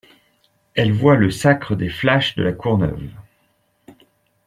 Elle voit le sacre des Flash de La Courneuve.